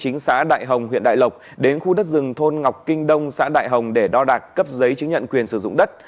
nguyễn đăng may cán bộ địa chính xã đại hồng huyện đại lộc đến khu đất rừng thôn ngọc kinh đông xã đại hồng để đo đạc cấp giấy chứng nhận quyền sử dụng đất